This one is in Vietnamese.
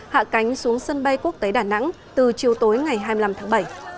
hạ cánh xuống sân bay quốc tế đà nẵng từ chiều tối ngày hai mươi năm tháng bảy